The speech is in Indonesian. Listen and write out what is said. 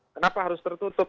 kenapa harus tertutup